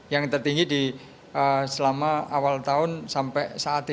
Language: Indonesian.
yang tertinggi selama awal tahun sampai saat ini